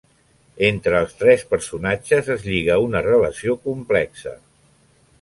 Entre els tres personatges es lliga una relació complexa.